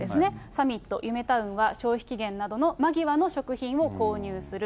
サミット、ゆめタウンは、消費期限間際の食品を購入する。